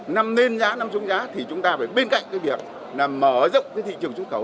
nằm lên giá nằm xuống giá thì chúng ta phải bên cạnh việc mở rộng thị trường xuất khẩu